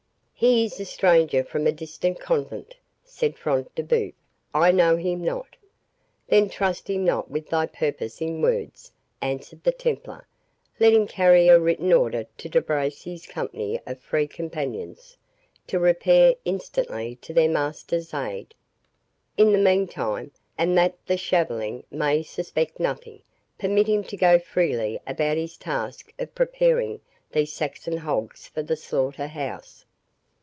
"He is a stranger from a distant convent," said Front de Bœuf; "I know him not." "Then trust him not with thy purpose in words," answered the Templar. "Let him carry a written order to De Bracy's company of Free Companions, to repair instantly to their master's aid. In the meantime, and that the shaveling may suspect nothing, permit him to go freely about his task of preparing these Saxon hogs for the slaughter house."